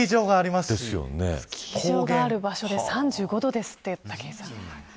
スキー場がある所で３５度ですって、武井さん。